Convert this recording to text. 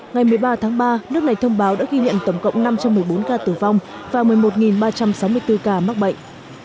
ngày một mươi ba tháng ba nước này thông báo đã ghi nhận tổng cộng năm trăm một mươi bốn ca tử vong và một mươi một ba trăm sáu mươi bốn ca mắc bệnh